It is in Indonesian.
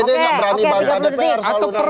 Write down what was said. dpd nggak berani bangka dpr selalu nangkut dulu